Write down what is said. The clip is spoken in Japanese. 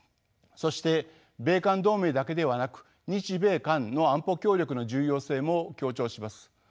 そして米韓同盟だけではなく日米韓の安保協力の重要性も強調します。